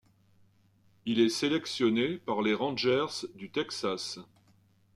Il est sélectionné par les Rangers du Texas.